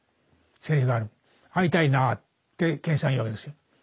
「会いたいな」って健さん言うわけですよ。